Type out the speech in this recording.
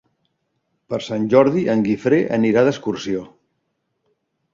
Per Sant Jordi en Guifré anirà d'excursió.